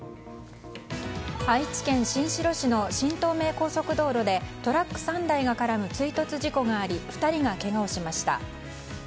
愛知県新城市の新東名高速道路でトラック３台が絡む追突事故があり２人がけがをしました。